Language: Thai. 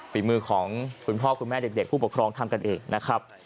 ฝีมือของคุณพ่อคุณแม่เด็กผู้ปกครองทำกันเองนะครับ